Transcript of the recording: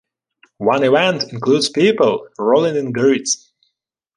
One event includes people rolling in grits.